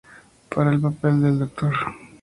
Para el papel del Dr.